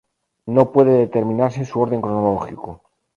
No puede determinarse su orden cronológico.